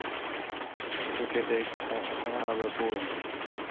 تو کتیک خراب ا پو این۔